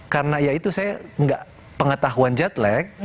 karena ya itu saya gak pengetahuan jet lag